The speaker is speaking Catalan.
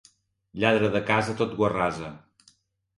Lladre de casa tot ho arrasa.